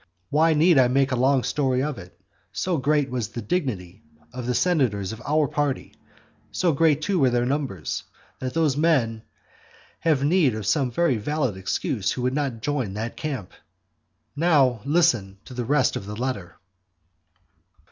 Why need I make a long story of it, so great was the dignity of the senators of our party, so great too were their numbers, that those men have need of some very valid excuse who did not join that camp. Now listen to the rest of the letter.